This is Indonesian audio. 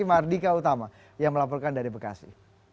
terima kasih mardika utama yang melaporkan dari bekasi